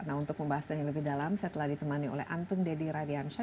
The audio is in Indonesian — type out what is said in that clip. nah untuk membahasnya lebih dalam saya telah ditemani oleh antung deddy radiansyah